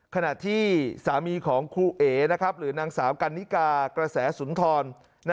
ขณะที่สามีของครูเอ๋หรือนางสาวกันนิกากระแสสุนทร